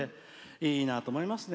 いいなと思いますね。